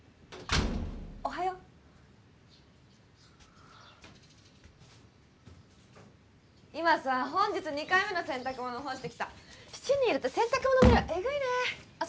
おはよう今さ本日二回目の洗濯物干してきた７人いると洗濯物の量えぐいねあっ